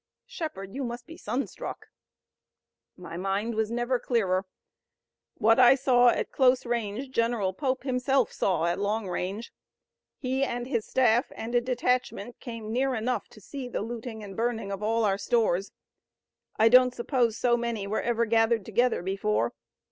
"Shepard, you must be sunstruck!" "My mind was never clearer. What I saw at close range General Pope himself saw at long range. He and his staff and a detachment came near enough to see the looting and burning of all our stores I don't suppose so many were ever gathered together before.